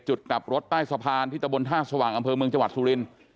กลับรถใต้สะพานที่ตะบนท่าสว่างอำเภอเมืองจังหวัดสุรินทร์